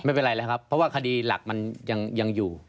ไม่เป็นไรแล้วครับเพราะว่าคดีหลักมันยังอยู่